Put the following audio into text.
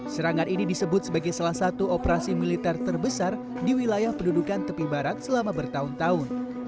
serangan ini disebut sebagai salah satu operasi militer terbesar di wilayah pendudukan tepi barat selama bertahun tahun